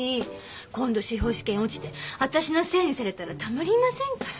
今度司法試験に落ちて私のせいにされたらたまりませんから。